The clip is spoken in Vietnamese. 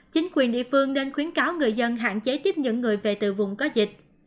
chính quyền địa phương nên khuyến cáo người dân hạn chế tiếp những người về từ vùng có dịch